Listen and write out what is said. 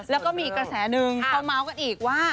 แล้วก็มีกระแสนึงเขาม้าวกันอีกว่า